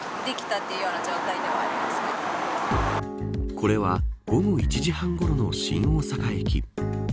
これは午後１時半ごろの新大阪駅。